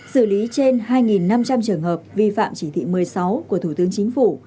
xử lý trên hai năm trăm linh trường hợp vi phạm chỉ thị một mươi sáu của thủ tướng chính phủ